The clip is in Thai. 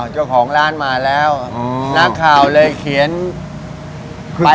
เจ้าของร้านมาแล้วนักข่าวเลยเขียนไป